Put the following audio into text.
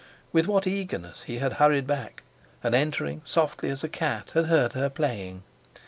With what eagerness he had hurried back; and, entering softly as a cat, had heard her playing.